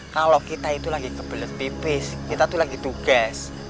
kalau kita itu lagi kebelet tipis kita tuh lagi tugas